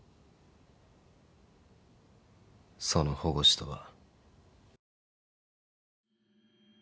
その保護司とは。